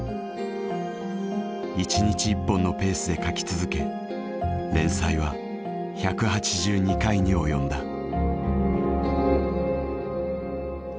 １日１本のペースで書き続け連載は１８２回に及んだ。